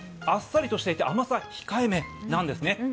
あっさりとしていて甘さ控えめなんですね。